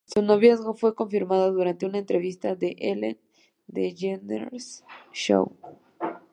Su noviazgo fue confirmado durante una entrevista en "The Ellen DeGeneres show".